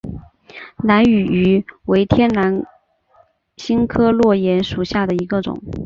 兰屿芋为天南星科落檐属下的一个种。